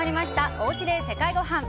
おうちで世界ごはん。